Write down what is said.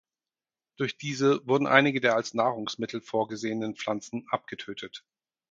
Durch diese wurden einige der als Nahrungsmittel vorgesehenen Pflanzen abgetötet.